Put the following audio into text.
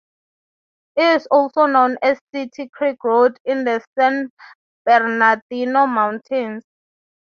It is also known as City Creek Road in the San Bernardino Mountains.